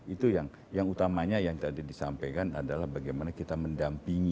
itu yang utamanya yang tadi disampaikan adalah bagaimana kita mendampingi